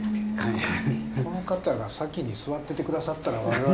この方が先に座ってて下さってたら我々。